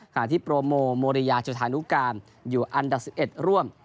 ที่โปรโมโมริยาจุธานุการอยู่อันดับ๑๑ร่วม